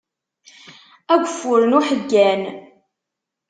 Ageffur n uḥeggan.